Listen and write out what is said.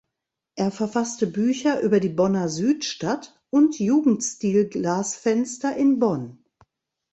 Er verfasste Bücher über die Bonner Südstadt und Jugendstil-Glasfenster in Bonn.